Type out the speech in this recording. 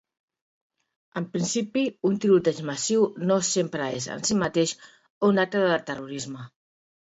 En principi, un tiroteig massiu no sempre és, en si mateix, un acte de terrorisme.